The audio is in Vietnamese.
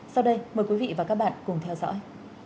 sau đây mời quý vị và các bạn cùng theo dõi